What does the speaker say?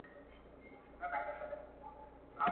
بويي تلم په توره شپه کي تر کهساره.